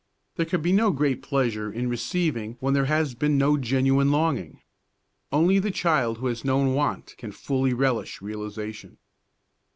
There can be no great pleasure in receiving when there has been no genuine longing. Only the child who has known want can fully relish realisation.